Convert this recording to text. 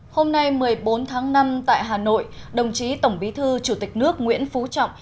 hôm nay một mươi bốn tháng năm tại hà nội đồng chí tổng bí thư chủ tịch nước nguyễn phú trọng